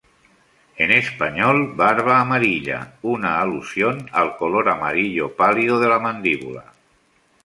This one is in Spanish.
En español: "barba amarilla", una alusión al color amarillo pálido de la mandíbula.